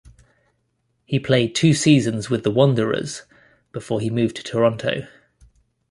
He played two seasons with the Wanderers before he moved to Toronto.